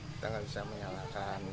kita gak bisa menyalahkan